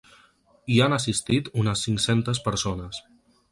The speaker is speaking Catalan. Hi han assistit unes cinc-centes persones.